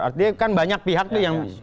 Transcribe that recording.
artinya kan banyak pihak tuh yang